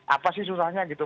apa sih susahnya gitu